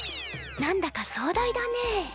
何だかそう大だね。